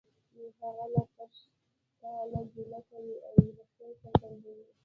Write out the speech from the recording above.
هغه له پشکاله ګیله کوي او زړه سوی څرګندوي